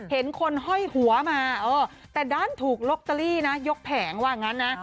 เห็นคนห้อยหัวมาแต่ด้านถูกลอตเตอรี่นะยกแผงว่างั้นนะ